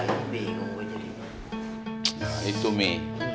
nah itu mi